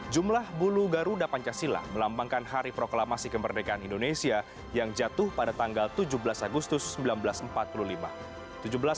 jumlah bulu garuda pancasila melambangkan hari proklamasi kemerdekaan indonesia yang jatuh pada tanggal tujuh belas agustus seribu sembilan ratus empat puluh lima